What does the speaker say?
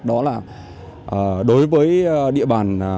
đó là đối với địa bàn